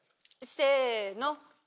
せの！